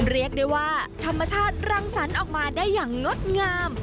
เรียกได้ว่าธรรมชาติรังสรรค์ออกมาได้อย่างงดงาม